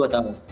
dua tahun ya